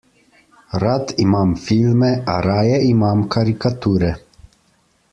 Rad imam filme, a raje imam karikature.